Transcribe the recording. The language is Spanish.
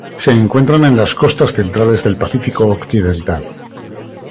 Se encuentran en las costas centrales del Pacífico Occidental.